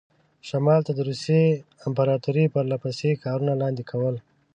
شمال ته د روسیې امپراطوري پرله پسې ښارونه لاندې کول.